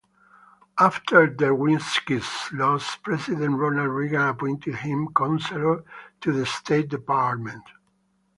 After Derwinski's loss, President Ronald Reagan appointed him Counselor to the State Department.